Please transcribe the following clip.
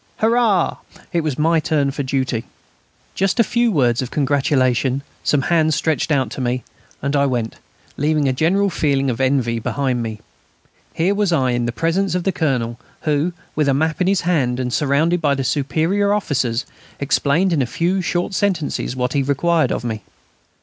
"Hurrah!" It was my turn for duty.... Just a few words of congratulation, some hands stretched out to me, and I went, leaving a general feeling of envy behind me. Here was I in the presence of the Colonel, who, with a map in his hand and surrounded by the superior officers, explained in a few short sentences what he required of me.